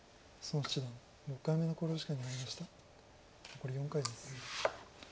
残り４回です。